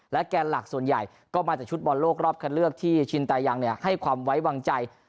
แกนหลักส่วนใหญ่ก็มาจากชุดบอลโลกรอบคันเลือกที่ชินตายังให้ความไว้วางใจ